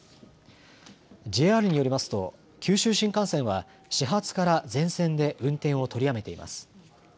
ＪＲによりますと九州新幹線は始発から全線で運転を取りやめています。